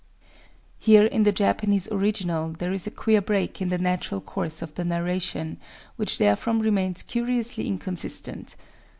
[_Here, in the Japanese original, there is a queer break in the natural course of the narration, which therefrom remains curiously inconsistent.